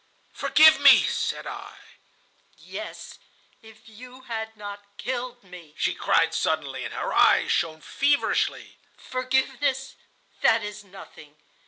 "'Forgive me,' said I. "'Yes, if you had not killed me,' she cried suddenly, and her eyes shone feverishly. 'Forgiveness—that is nothing.